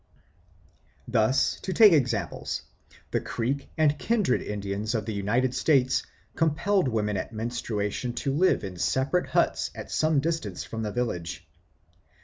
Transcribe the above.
Thus, to take examples, the Creek and kindred Indians of the United States compelled women at menstruation to live in separate huts at some distance from the village.